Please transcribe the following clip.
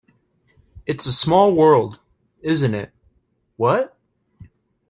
It's a small world, isn't it, what?